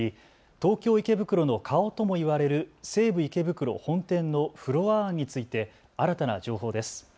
東京池袋の顔ともいわれる西武池袋本店のフロアについて新たな情報です。